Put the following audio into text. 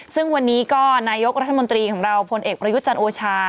ซึ่งวันนี้ก็นายกรัฐมนตรีของเราพลเอกประยุทธ์จันทร์โอชา